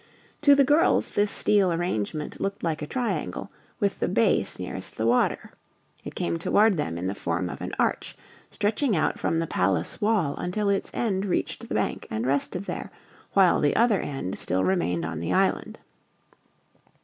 To the girls this steel arrangement looked like a triangle, with the base nearest the water. It came toward them in the form of an arch, stretching out from the palace wall until its end reached the bank and rested there, while the other end still remained on the island.